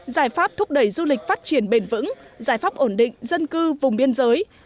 giải pháp thúc đẩy du lịch phát triển bền vững giải pháp ổn định dân cư vùng biên giới